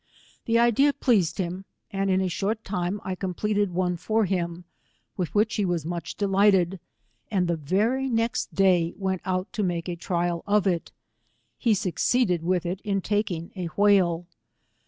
The idea pleased him, and in a short time I completed one for him, with which he was much delighted, and the very next day went out to make a trial of it. He succeeded with it in taking a whale.